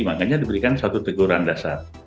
makanya diberikan satu teguran dasar